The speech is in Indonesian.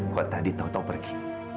kau tadi tau tau pergi